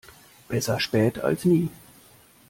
Besser spät als nie.